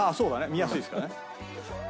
見やすいですからね。